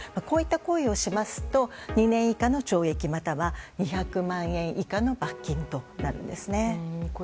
こういった行為をしますと２年以下の懲役または２００万円以下の罰金となるんですね。